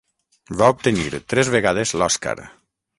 Va obtenir tres vegades l'Oscar.